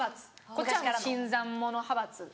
こっちはもう新参者派閥。